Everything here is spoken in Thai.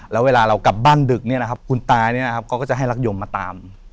แล้วเวลาเรากลับบ้านดึกเนี่ยนะครับคุณตาเนี่ยนะครับเขาก็จะให้รักยมมาตาม